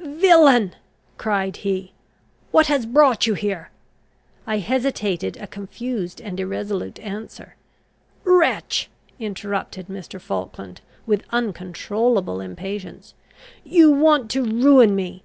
"Villain!" cried he, "what has brought you here?" I hesitated a confused and irresolute answer. "Wretch!" interrupted Mr. Falkland, with uncontrollable impatience, "you want to ruin me.